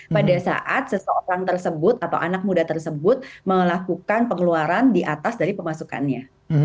pada saat seseorang tersebut atau anak muda tersebut melakukan pengeluaran di atas dari pemasukannya